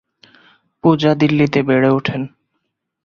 পূজা দিল্লীতে বেড়েউঠেন।